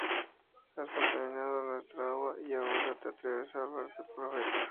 Has contaminado nuestra agua y ahora te atreves a hablar del Profeta.